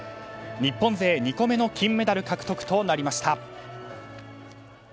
日本勢２個目の金メダル獲得となりました。